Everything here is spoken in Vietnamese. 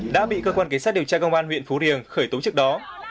đã bị cơ quan cảnh sát điều tra công an huyện phú riềng khởi tố trước đó